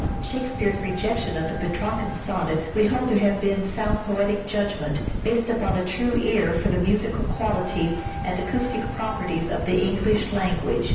Shakespeare's rejection of the Petrarcan sonnet we hold to have been sound spearean . sonnet. poetic judgment, based upon a true ear for the musical qualities and acoustic properties of the English language.